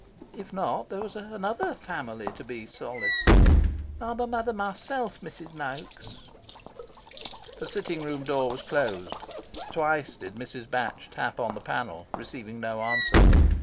If not, there was another "family" to be solaced; "I'm a mother myself, Mrs. Noaks"... The sitting room door was closed. Twice did Mrs. Batch tap on the panel, receiving no answer.